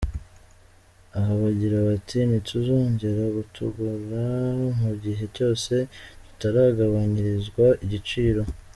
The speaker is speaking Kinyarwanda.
Aha bagira bati :’’ Ntituzongera kutugura mu gihe cyose tutaragabanyirizwa igiciro’’.